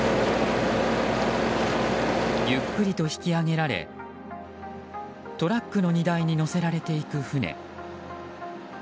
ゆっくりと引き上げられトラックの荷台に載せられていく船。